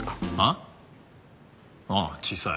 ああ小さい。